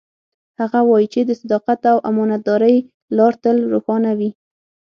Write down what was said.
هغه وایي چې د صداقت او امانتدارۍ لار تل روښانه وي